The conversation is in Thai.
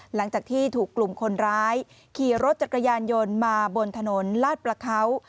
หลังจากที่ถูกกลุ่มคนร้ายขี่รถจักรยานยนต์มาบนถนนลาดประเขา